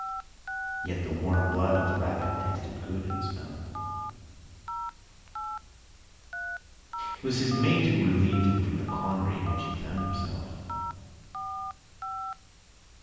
Yet the warm blood of the rabbit tasted good in his mouth. It was his mate who relieved him from the quandary in which he found himself.